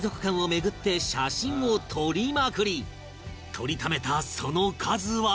撮りためたその数は